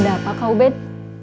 ada apa kau ben